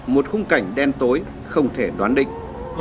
một khung cảnh đen tối không thể đoán định